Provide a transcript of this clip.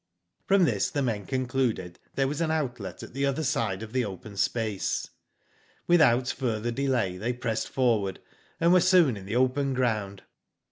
•'From this the men concluded there was an outlet at the other side of the open space. '* Without further delay they pressed forward, and were soon in the open ground.